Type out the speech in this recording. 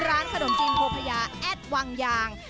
ร้านขนมจีนโพพญาแอดวังยาง